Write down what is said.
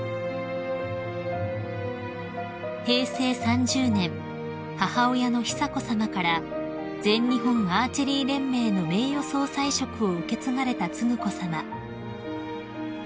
［平成３０年母親の久子さまから全日本アーチェリー連盟の名誉総裁職を受け継がれた承子さま］